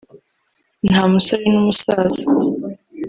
nta musore n’umusaza